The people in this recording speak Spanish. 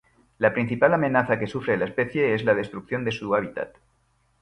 La principal amenaza que sufre la especie es la destrucción de su hábitat.